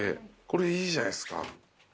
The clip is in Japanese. これいいじゃないっすか。